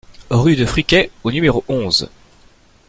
Rue de Friquet au numéro onze